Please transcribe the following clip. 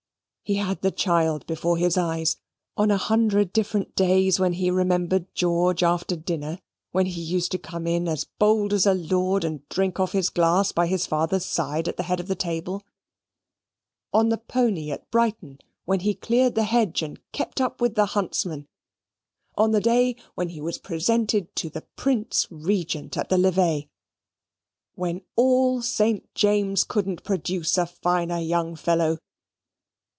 He had the child before his eyes, on a hundred different days when he remembered George after dinner, when he used to come in as bold as a lord and drink off his glass by his father's side, at the head of the table on the pony at Brighton, when he cleared the hedge and kept up with the huntsman on the day when he was presented to the Prince Regent at the levee, when all Saint James's couldn't produce a finer young fellow.